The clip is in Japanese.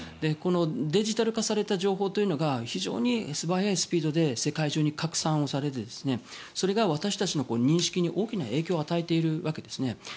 このデジタル化された情報が非常に素早いスピードで世界中に拡散されてそれが私たちの認識に大きな影響を与えているわけなんです。